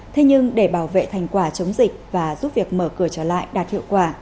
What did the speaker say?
thế nhưng để bảo vệ thành quả chống dịch và giúp việc mở cửa trở lại đạt hiệu quả